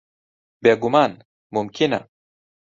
بێگومان، مومکینە.